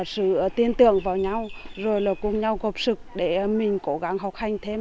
sự tiên tưởng vào nhau rồi là cùng nhau góp sực để mình cố gắng học hành thêm